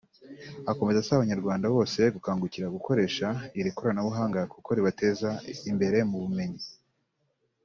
Akomeza asaba abanyarwanda bose gukangukira gukoresha iri koranabuhanga kuko ribateza imbere mu bumenyi